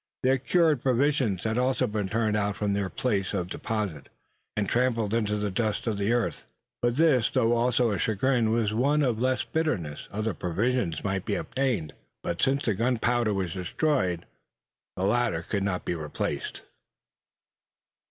Their cured provisions had also been turned out from their place of deposit, and trampled into the dust of the earth. But this, though also a chagrin, was one of less bitterness. Other provisions might be obtained not now so easily, since the powder was destroyed but the latter they could not replace.